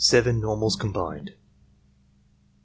7 Normals combined .